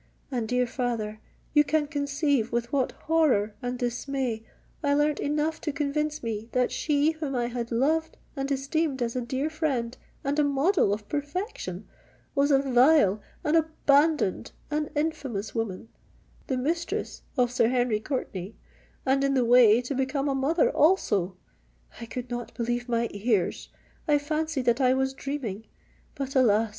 And, dear father, you can conceive with what horror and dismay I learnt enough to convince me, that she whom I had loved and esteemed as a dear friend and a model of perfection, was a vile—an abandoned—an infamous woman,—the mistress of Sir Henry Courtenay, and in the way to become a mother also! I could not believe my ears—I fancied that I was dreaming. But, alas!